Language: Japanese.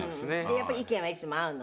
やっぱり意見はいつも合うの？